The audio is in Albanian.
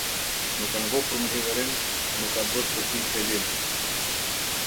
Më ka ngopur me hidhërim, më ka bërë të pij pelin.